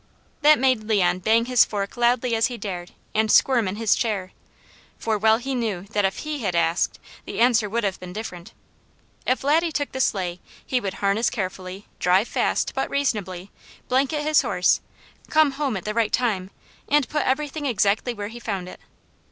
That made Leon bang his fork loudly as he dared and squirm in his chair, for well he knew that if he had asked, the answer would have been different. If Laddie took the sleigh he would harness carefully, drive fast, but reasonably, blanket his horse, come home at the right time, and put everything exactly where he found it.